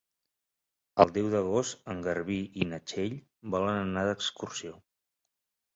El deu d'agost en Garbí i na Txell volen anar d'excursió.